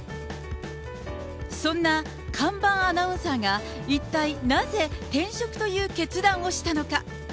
そんな看板アナウンサーが、一体なぜ、転職という決断をしたのか。